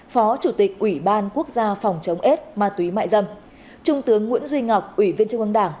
phó chủ tịch ủy ban quốc gia phòng chống ết ma túy mại dâm trung tướng nguyễn duy ngọc ủy viên trung ương đảng